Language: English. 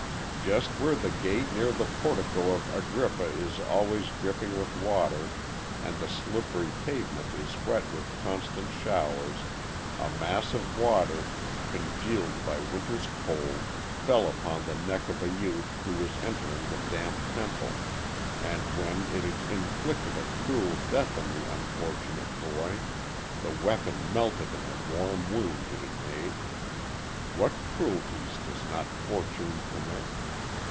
Just where the gate near the portico of Agrippa is always dripping with water, and the slippery pavement is wet with constant showers, a mass of water, congealed by winter's cold, fell upon the neck of a youth who was entering the damp temple, and, when it had inflicted a cruel death on the unfortunate boy, the weapon melted in the warm wound it had made. What cruelties does not Fortune permit?